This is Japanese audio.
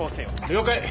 了解！